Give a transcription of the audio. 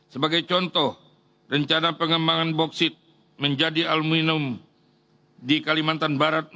sebagai contoh rencana pengembangan boksit menjadi aluminium di kalimantan barat